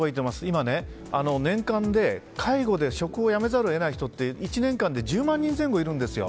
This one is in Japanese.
今、年間で介護で職を辞めざるを得ない人って１年間で１０万人前後いるんですよ。